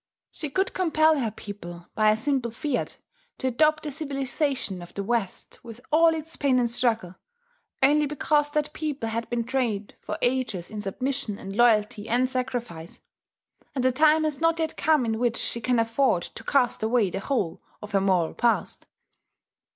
She could compel her people, by a simple fiat, to adopt the civilization of the West, with all its pain and struggle, only because that people had been trained for ages in submission and loyalty and sacrifice; and the time has not yet come in which she can afford to cast away the whole of her moral past.